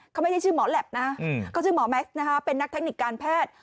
เขาไม่ใช่ชื่อหมอแหลปนะเขาชื่อหมอแม็กซ์นะฮะเป็นนักเทคนิคการแพทย์